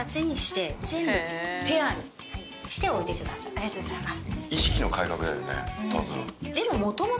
ありがとうございます。